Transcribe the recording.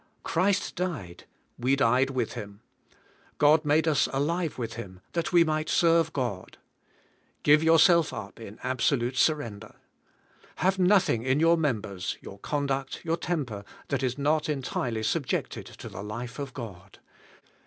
Christ died; we died with Him; God made us alive with Him, that we might serve God, Give yourself up in absolute surrender. Have nothing in your members, your conduct, your temper, that is not entirely subjected to the life of God.